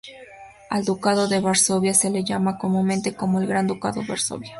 Al Ducado de Varsovia se lo llama comúnmente como el "Gran Ducado de Varsovia".